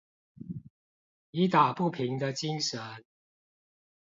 以打不平的精砷